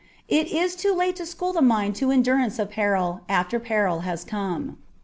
It is too late to school the mind to endurance of peril after peril has come.